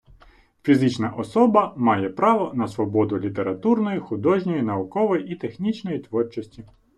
Фізична особа має право на свободу літературної, художньої, наукової і технічної творчості.